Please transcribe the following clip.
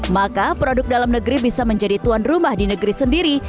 maka produk dalam negeri bisa menjadi tuan rumah di negeri sendiri